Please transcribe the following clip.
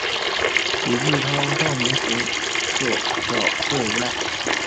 李继韬少年时就狡狯无赖。